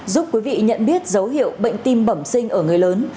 giúp quý vị nhận biết dấu hiệu bệnh tim bẩm sinh ở người lớn